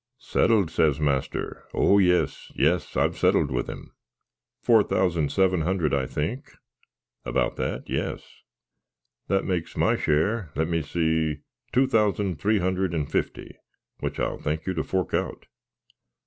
"Settled!" says master. "Oh yes yes I've settled with him." "Four thousand seven hundred, I think?" "About that yes." "That makes my share let me see two thousand three hundred and fifty; which I'll thank you to fork out."